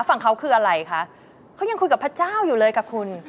ฝั่งเขาคืออะไรคะเขายังคุยกับพระเจ้าอยู่เลยกับคุณ